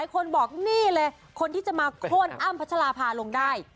คนบอกนี่เลยคนที่จะมาโค้นอ้ำพัชราภาลงได้